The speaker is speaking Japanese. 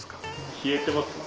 冷えてます？